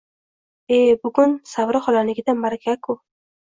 «E, bugun Savri xolanikida maʼraka-ku!